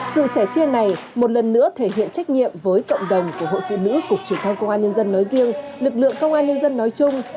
sự sẻ chia này một lần nữa thể hiện trách nhiệm với cộng đồng của hội phụ nữ cục truyền thông công an nhân dân nói riêng lực lượng công an nhân dân nói chung